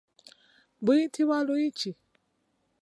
Buyitibwa luyiki.